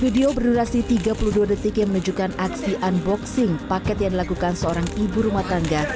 video berdurasi tiga puluh dua detik yang menunjukkan aksi unboxing paket yang dilakukan seorang ibu rumah tangga